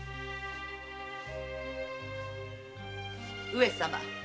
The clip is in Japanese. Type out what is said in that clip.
上様！